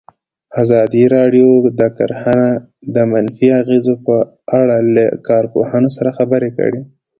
ازادي راډیو د کرهنه د منفي اغېزو په اړه له کارپوهانو سره خبرې کړي.